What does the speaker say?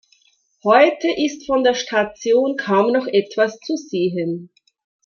Heute ist von der Station kaum noch etwas zu sehen.